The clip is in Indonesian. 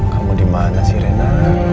kamu dimana sih rena